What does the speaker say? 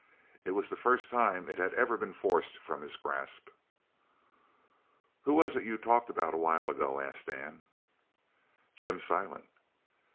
It was the first time it had ever been forced from his grasp. "Who was it you talked about a while ago?" asked Dan. "Jim Silent."